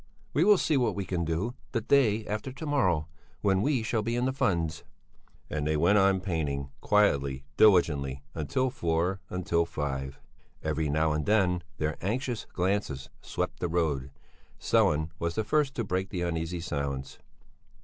We will see what we can do, the day after to morrow, when we shall be in funds." And they went on painting, quietly, diligently, until four until five. Every now and then their anxious glances swept the road. Sellén was the first to break the uneasy silence.